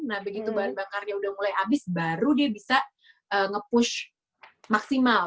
nah begitu bahan bakarnya udah mulai habis baru dia bisa nge push maksimal